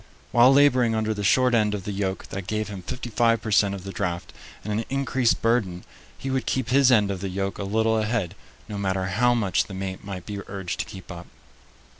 While laboring under the short end of the yoke that gave him fifty five per cent of the draft and an increased burden, he would keep his end of the yoke a little ahead, no matter how much the mate might be urged to keep up.